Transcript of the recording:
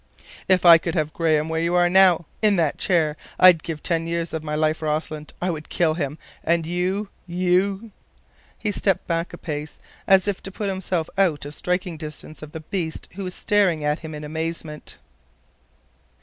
"If I could have Graham where you are now—in that chair—I'd give ten years of my life, Rossland. I would kill him. And you—you—" He stepped back a pace, as if to put himself out of striking distance of the beast who was staring at him in amazement.